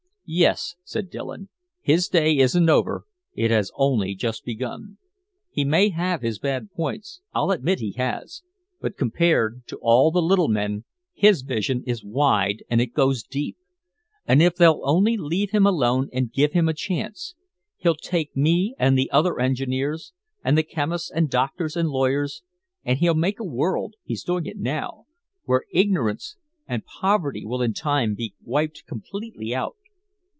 "Yes," said Dillon, "his day isn't over, it has only just begun. He may have his bad points I'll admit he has but compared to all the little men his vision is wide and it goes deep. And if they'll only leave him alone and give him a chance, he'll take me and the other engineers, and the chemists and doctors and lawyers, and he'll make a world he's doing it now where ignorance and poverty will in time be wiped completely out."